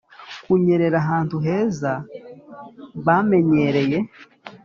kunyerera ahantu heza, bamenyereye,